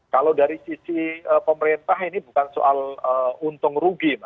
kalau dari sisi pemerintah ini bukan soal untung rugi